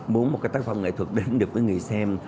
muốn một cái tác phẩm nghệ thuật đến được với người xem